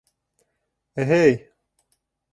— Э-һэй!